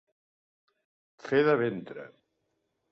Fer de ventre.